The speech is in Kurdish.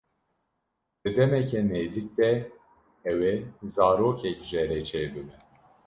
Di demeke nêzik de ew ê zarokek jê re çêbibe.